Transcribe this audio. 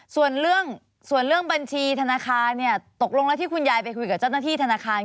ส่วนเรื่องบัญชีธนาคารตกลงแล้วที่คุณยายไปคุยกับเจ้าหน้าที่ธนาคาร